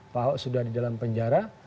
pak ahok sudah di dalam penjara